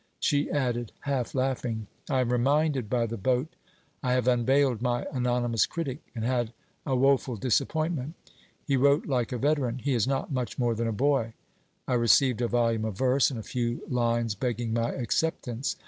She added, half laughing: 'I am reminded by the boat, I have unveiled my anonymous critic, and had a woeful disappointment. He wrote like a veteran; he is not much more than a boy. I received a volume of verse, and a few lines begging my acceptance.